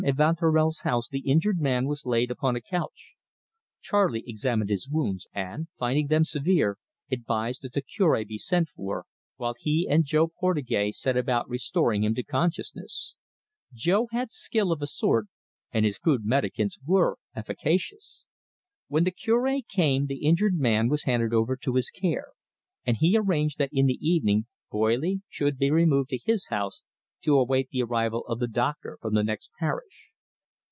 Evanturel's house the injured man was laid upon a couch. Charley examined his wounds, and, finding them severe, advised that the Cure be sent for, while he and Jo Portugais set about restoring him to consciousness. Jo had skill of a sort, and his crude medicaments were efficacious. When the Cure came, the injured man was handed over to his care, and he arranged that in the evening Boily should be removed to his house, to await the arrival of the doctor from the next parish.